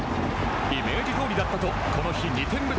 イメージどおりだったとこの日、２点目で